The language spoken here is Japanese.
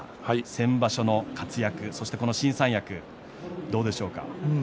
先場所の活躍そして新三役どうでしょうか？